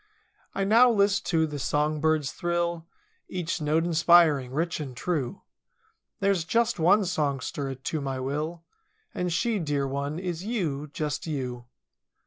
I now list to the song bird's thrill. Each note inspiring, rich and true— There's just one songster to my will. And she, dear one, is you, just you.